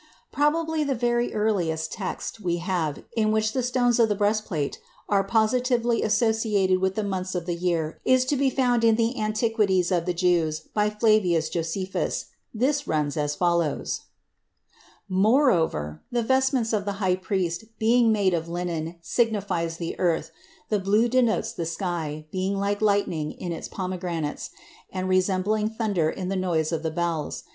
Probably the very earliest text we have in which the stones of the breastplate are positively associated with the months of the year is to be found in the "Antiquities of the Jews," by Flavius Josephus. This runs as follows: Moreover, the vestments of the high priest being made of linen signifies the earth, the blue denotes the sky, being like lightning in its pomegranates, and resembling thunder in the noise of the bells.